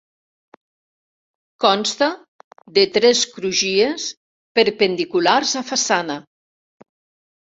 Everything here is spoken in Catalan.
Consta de tres crugies perpendiculars a façana.